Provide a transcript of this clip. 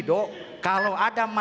program jabar tjager